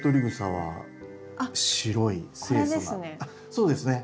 そうですね。